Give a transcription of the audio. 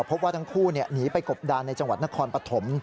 พบว่าทั้งคู่หนีไปกบดานในจังหวัดนครปฐม